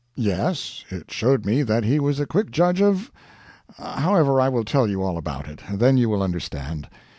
"Yes. It showed me that he was a quick judge of however, I will tell you all about it, then you will understand.